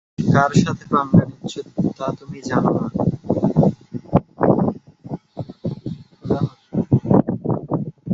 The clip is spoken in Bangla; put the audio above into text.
কার সাথে পাঙ্গা নিচ্ছো তা তুমি জানো না।